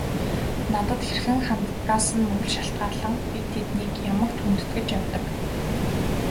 Надад хэрхэн ханддагаас нь үл шалтгаалан би тэднийг ямагт хүндэтгэж явдаг.